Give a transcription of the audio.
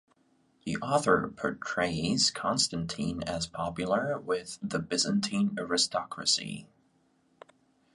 The author portrays Constantine as popular with the Byzantine aristocracy.